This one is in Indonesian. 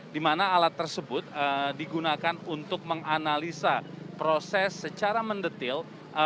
di mana alat tersebut digunakan untuk menganalisa proses secara mendetail